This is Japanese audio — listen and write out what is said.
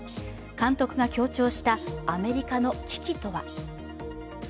監督が強調したアメリカの危機とは。